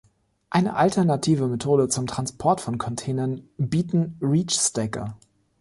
Eine alternative Methode zum Transport von Containern bieten Reach-Stacker.